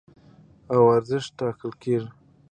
او ارزښت ټاکل کېږي.